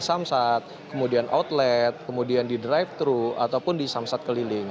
samsat kemudian outlet kemudian di drive thru ataupun di samsat keliling